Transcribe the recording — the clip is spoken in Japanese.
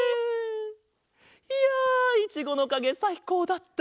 いやいちごのかげさいこうだった！